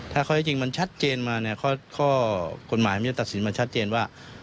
ถ้าเขาได้จริงมันชัดเจนมาก็กฎหมายมันจะตัดสินมาชัดเจนว่า